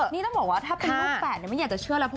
นี่ต้องบอกว่าถ้าเป็นลูกแฝดไม่อยากจะเชื่อแล้ว